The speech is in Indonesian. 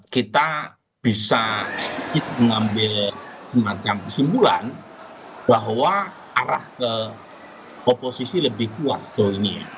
kita bisa sedikit mengambil semacam kesimpulan bahwa arah ke oposisi lebih kuat sejauh ini